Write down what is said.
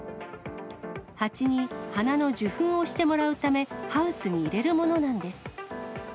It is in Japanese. ハチに花の授粉をしてもらうため、ハウスに入れるものなんです。